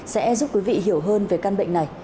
sẽ giúp quý vị hiểu hơn về căn bệnh này